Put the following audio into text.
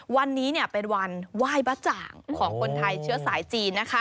วันนี้เป็นวันว่ายบะจ่างของคนไทยเชื้อสายจีน